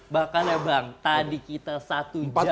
bahkan ya bang tadi kita satu jam